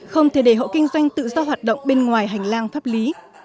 không thể để hộ kinh doanh tự do hoạt động bên ngoài hành lang pháp lý